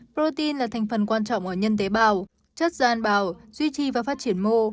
protein là thành phần quan trọng ở nhân tế bào chất gian bào duy trì và phát triển mô